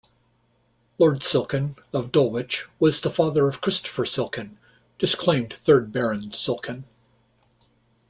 Lord Silkin of Dulwich was the father of Christopher Silkin, disclaimed third Baron Silkin.